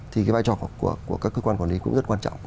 thì cái vai trò của các cơ quan quản lý cũng rất quan trọng